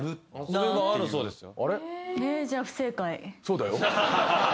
遊び場あるそうですよ。